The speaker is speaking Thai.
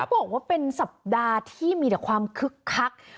บอกว่าเป็นสัปดาห์ที่มีแต่ความคึกคัก